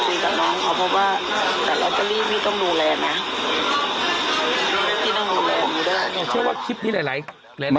แต่หนูจะเอากับน้องเขามาแต่ว่า